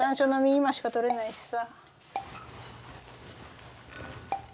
今しか採れないしさ。